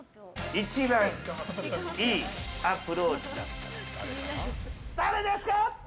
一番いいアプローチは誰ですか？